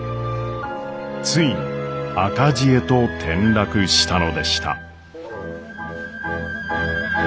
ついに赤字へと転落したのでした。